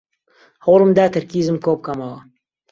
هەوڵم دا تەرکیزم کۆبکەمەوە.